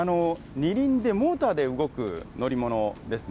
二輪でモーターで動く乗り物ですね。